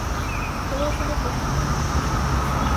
Todos somos Mohamed.